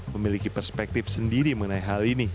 memiliki perspektif sendiri mengenai hal ini